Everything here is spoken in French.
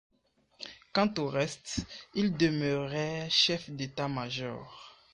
Quant au reste, il demeurait chef d'état-major.